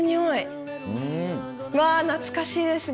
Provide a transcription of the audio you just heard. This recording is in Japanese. わ懐かしいですね。